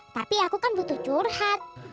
tapi aku kan butuh curhat